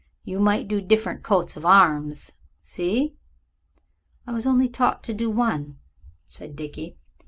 You might do different coats of arms see?" "I was only taught to do one," said Dickie.